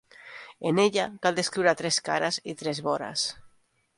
En ella cal descriure tres cares i tres vores.